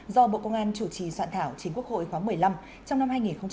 do bộ công an chủ trì soạn thảo chính quốc hội khoáng một mươi năm trong năm hai nghìn hai mươi